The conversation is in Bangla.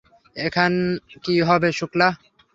এখন কি হবে শুক্লা?